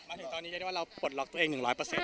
มาถึงตอนนี้จะได้ว่าเราปลดล็อกตัวเองหนึ่งร้อยเปอร์เซ็นต์แล้ว